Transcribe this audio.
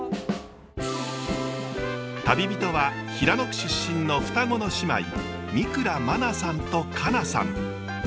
旅人は平野区出身の双子の姉妹三倉茉奈さんと佳奈さん。